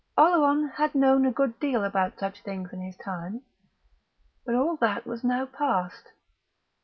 Oleron had known a good deal about such things in his time, but all that was now past.